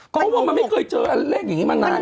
เพราะว่าไม่เคยเจออันเล็กนี้มานาน